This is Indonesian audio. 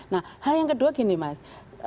nah hal yang kedua gini mas